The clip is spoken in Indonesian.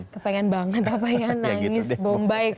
kepengen banget apa ya nangis bombay